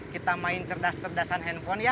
kita main cerdas cerdasan handphone ya